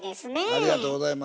ありがとうございます。